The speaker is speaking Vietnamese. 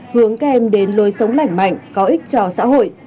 hướng các em đến lối sống lành mạnh có ích cho xã hội